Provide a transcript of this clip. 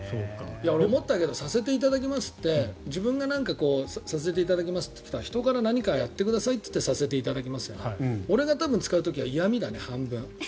俺、思ったけど「させていただきます」って自分が「させていただきます」って人から何かやってくださいと言われて「させていただきます」じゃない。俺が使う時は、半分嫌味だね。